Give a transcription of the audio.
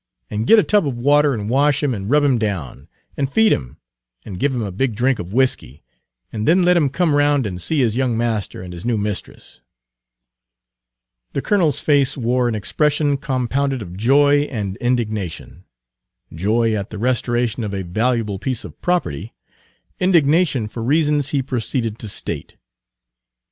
and get a tub of water and wash him and rub him down, and feed him, and give him a big drink of whiskey, and then let him come round and see his young master and his new mistress." The colonel's face wore an expression compounded of joy and indignation, joy at the restoration of a valuable piece of property; indignation for reasons he proceeded to state.